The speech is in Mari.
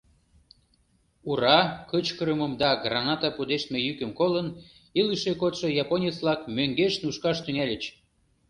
«Ура» кычкырымым да граната пудештме йӱкым колын, илыше кодшо японец-влак мӧҥгеш нушкаш тӱҥальыч.